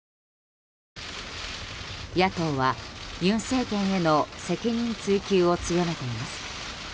野党は尹政権への責任追及を強めています。